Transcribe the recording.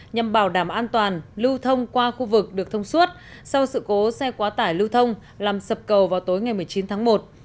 nhằm bảo đảm an toàn lưu thông qua khu vực được thông suốt sau sự cố xe quá tải lưu thông làm sập cầu vào tối ngày một mươi chín tháng một